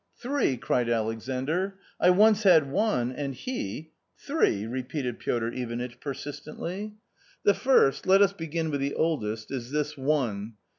" Three ?" cried Alexandr, " I once had one and he "" Three," repeated Piotr Ivanitch persistently. "The first — let us begin with the oldest — is this one.